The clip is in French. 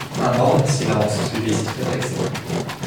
Un morne silence suivit cette réflexion.